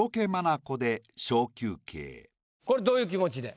これどういう気持ちで？